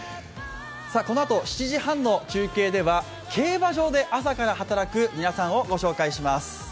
このあと、７時半の中継では競馬場で朝から働く皆さんを紹介します。